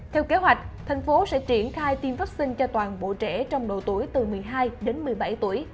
theo kế hoạch thành phố sẽ triển khai tiêm vaccine cho toàn bộ trẻ trong độ tuổi từ một mươi hai đến một mươi bảy tuổi